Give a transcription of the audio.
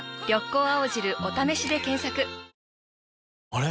あれ？